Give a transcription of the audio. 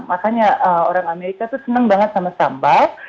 makanya orang amerika tuh senang banget sama sambal